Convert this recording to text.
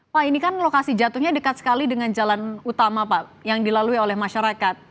pak ini kan lokasi jatuhnya dekat sekali dengan jalan utama pak yang dilalui oleh masyarakat